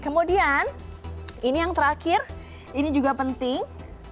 kemudian ini yang terakhir ini juga penting